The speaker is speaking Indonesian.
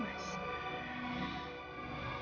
kalau mau ntar kenal